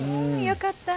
よかった。